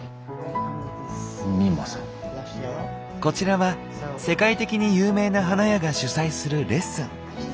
こちらは世界的に有名な花屋が主催するレッスン。